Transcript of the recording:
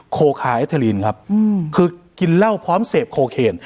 โคคาเอเทอร์ลีนครับคือกินเหล้าพร้อมเสพโคเคน